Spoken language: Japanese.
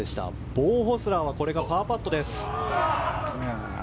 ボウ・ホスラーはこれがパーパット。